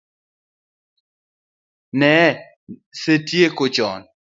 Ne a setieko chon